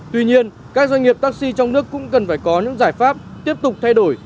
tuy nhiên các doanh nghiệp taxi trong nước cũng cần phải có những giải pháp tiếp tục thay đổi